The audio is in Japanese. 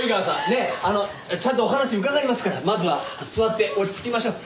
ねっあのちゃんとお話伺いますからまずは座って落ち着きましょう。